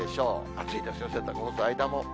暑いですよ、洗濯干す間も。